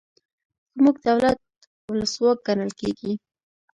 زموږ دولت ولسواک ګڼل کیږي.